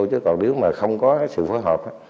chứ còn nếu mà không có sự phối hợp